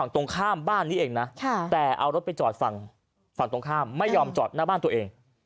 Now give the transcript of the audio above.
แต่เอารถไปจอดฝั่งตรงข้ามไม่ยอมจอดหน้าบ้านตัวเอง